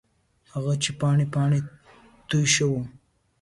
هغه چې پاڼې، پاڼې توی شوه